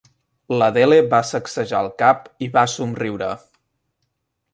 L'Adele va sacsejar el cap i va somriure.